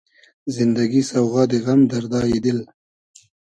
زیندئگی سۆغادی غئم , دئردای دیل